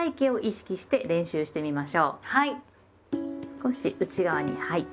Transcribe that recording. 少し内側にはい。